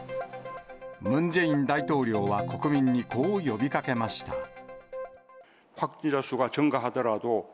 ムン・ジェイン大統領は、国民にこう呼びかけました。